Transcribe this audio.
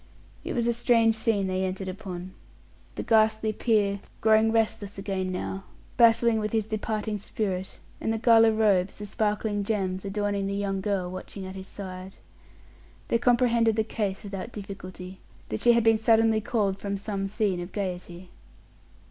It was a strange scene they entered upon: the ghastly peer, growing restless again now, battling with his departing spirit, and the gala robes, the sparkling gems adorning the young girl watching at his side. They comprehended the case without difficulty; that she had been suddenly called from some scene of gayety.